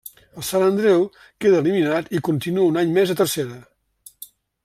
El Sant Andreu queda eliminat i continua un any més a Tercera.